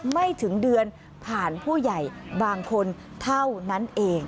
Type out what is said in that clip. ไม่ถึงเดือนผ่านผู้ใหญ่บางคนเท่านั้นเอง